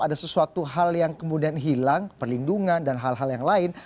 ada sesuatu hal yang kemudian hilang perlindungan dan hal hal yang lain